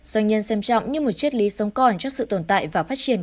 doanh nhân xem trọng như một triết lý sống còn cho sự tồn tại và phát triển của mình